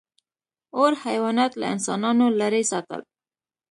• اور حیوانات له انسانانو لرې ساتل.